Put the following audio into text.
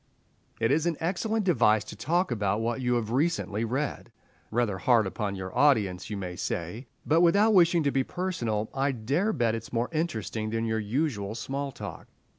It is an excellent device to talk about what you have recently read. Rather hard upon your audience, you may say; but without wishing to be personal, I dare bet it is more interesting than your usual small talk.